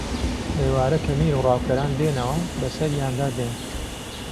ئێوارە کە میر و ڕاوکەران دێنەوە بەسەریاندا دێن